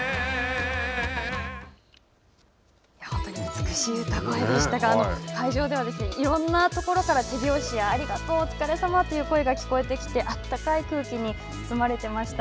美しい歌声でしたが会場では、いろんな所から手拍子やありがとうお疲れさまという声が聞こえてきて、あったかい空気に包まれてました。